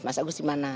mas agus dimana